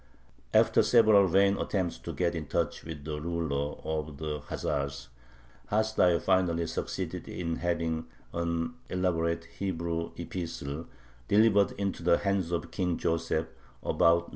After several vain attempts to get in touch with the ruler of the Khazars Hasdai finally succeeded in having an elaborate Hebrew epistle delivered into the hands of King Joseph (about 955).